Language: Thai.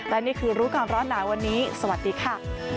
และนี่คือรู้ก่อนร้อนหนาวันนี้สวัสดีค่ะ